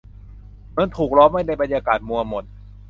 เหมือนถูกล้อมไว้ในบรรยากาศมัวหม่น